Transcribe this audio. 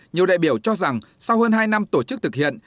nhiều đại biểu cho rằng sau hơn hai năm tổ chức thực hiện